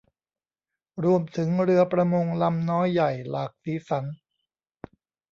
รวมถึงเรือประมงลำน้อยใหญ่หลากสีสัน